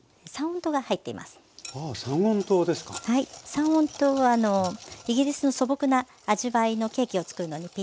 三温糖はイギリスの素朴な味わいのケーキを作るのにピッタリです。